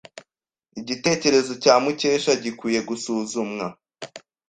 Igitekerezo cya Mukesha gikwiye gusuzumwa.